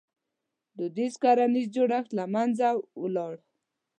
• دودیز کرنیز جوړښت له منځه ولاړ.